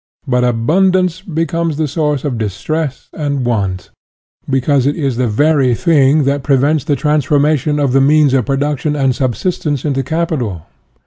But " abundance be comes the source of distress and want " (Fourier), because it is the very thing that prevents the transformation of the means of production and subsistence into capital.